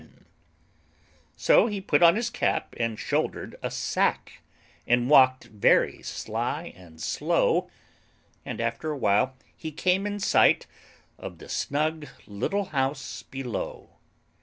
So he put on his cap and shouldered a sack, And walked very sly and slow; And after a while he came in sight Of the snug little house below.